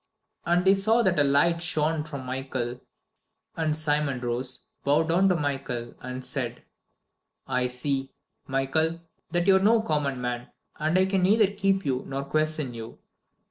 And they saw that a light shone from Michael. And Simon rose, bowed down to Michael, and said: "I see, Michael, that you are no common man, and I can neither keep you nor question you.